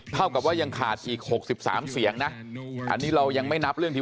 เท่ากับว่ายังขาดอีก๖๓เสียงนะอันนี้เรายังไม่นับเรื่องที่